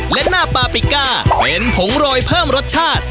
และหน้าปาปิก้าเป็นผงโรยเพิ่มรสชาติ